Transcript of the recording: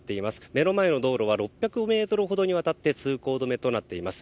目の前の道路は６００ｍほどにわたって通行止めとなっています。